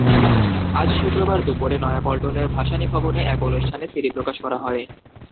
আজ শুক্রবার দুপুরে নয়াপল্টনের ভাসানী ভবনে এক অনুষ্ঠানে সিডি প্রকাশ করা হয়।